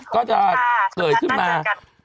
ก็จะเปิดขึ้นมา